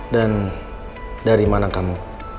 dan dari mana kamu